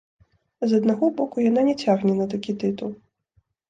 З аднаго боку, яна не цягне на такі тытул.